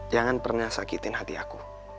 jangan pernah sakitin hati aku